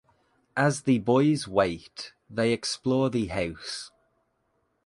As the boys wait, they explore the house.